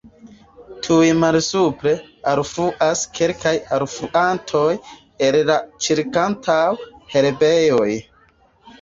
Tuj malsupre alfluas kelkaj alfluantoj el la ĉirkaŭantaj herbejoj.